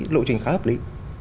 lộ trình khá hợp lý